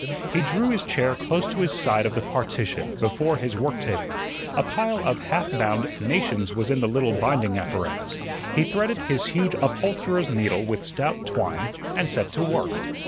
He drew his chair close to his side of the partition, before his work table. A pile of half bound "Nations" was in the little binding apparatus; he threaded his huge upholsterer's needle with stout twine and set to work.